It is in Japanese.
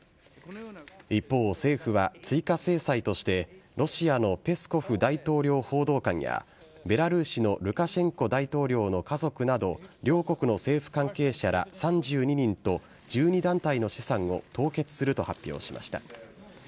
一方、政府は追加制裁として、ロシアのペスコフ大統領報道官や、ベラルーシのルカシェンコ大統領の家族など、両国の政府関係者ら３２人と、１２団体の資産を凍結すると発表しました。